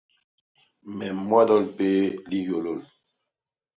Me mmodol péé lihyôlôl.